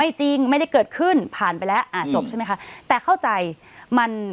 จริงไม่ได้เกิดขึ้นผ่านไปแล้วอ่าจบใช่ไหมคะแต่เข้าใจมัน